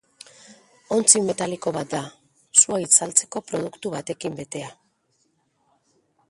Ontzi metaliko bat da, sua itzaltzeko produktu batekin betea.